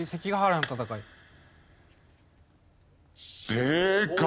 正解！